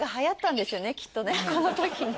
この時ね